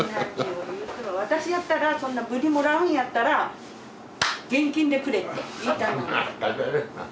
私やったらそんなブリもらうんやったら現金でくれって言いたくなる。